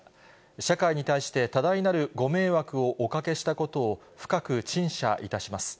社会に対して多大なるご迷惑をおかけしたことを深く陳謝いたします。